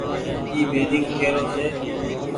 اي بيرينگ ڪي رو ڇي ۔